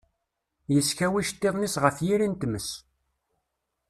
yeskaw iceṭṭiḍen-is ɣef yiri n tmes.